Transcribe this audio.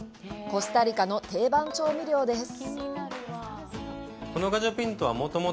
コスタリカの定番調味料です。